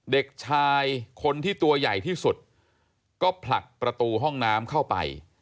เด็กชายคนที่ตัวใหญ่ที่สุดก็ผลักประตูห้องน้ำเข้าไป